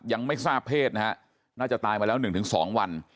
ยังไม่ทราบเพศนะฮะน่าจะตายมาแล้ว๑๒วัน